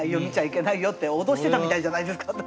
見ちゃいけないよって脅してたみたいじゃないですか！